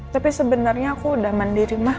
tapi sebenarnya aku udah mandiri mah